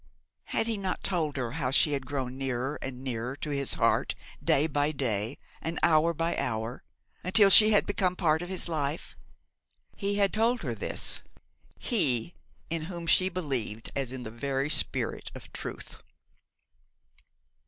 Had he not told her how she had grown nearer and nearer to his heart, day by day, and hour by hour, until she had become part of his life? He had told her this he, in whom she believed as in the very spirit of truth.